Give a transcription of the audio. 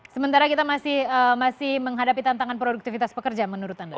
sementara kita masih menghadapi tantangan produktivitas pekerja menurut anda